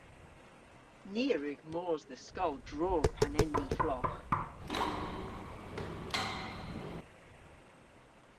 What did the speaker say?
Ni a wrug mos dhe skol drog pan en ni flogh.